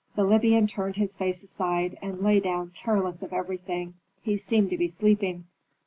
The Libyan turned his face aside, and lay down careless of everything; he seemed to be sleeping.